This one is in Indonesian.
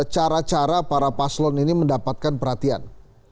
cara cara para paslon ini mendapatkan perhatian